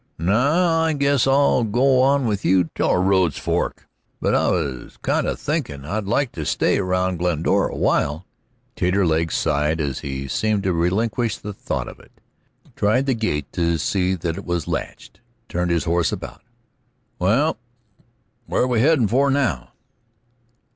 "No, I guess I'll go on with you till our roads fork. But I was kind of thinkin' I'd like to stay around Glendora a while." Taterleg sighed as he seemed to relinquish the thought of it, tried the gate to see that it was latched, turned his horse about. "Well, where're we headin' for now?"